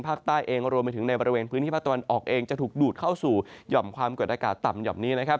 ภาคใต้เองรวมไปถึงในบริเวณพื้นที่ภาคตะวันออกเองจะถูกดูดเข้าสู่หย่อมความกดอากาศต่ำหย่อมนี้นะครับ